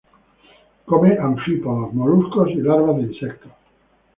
Come anfípodos, moluscos y larvas de insectos.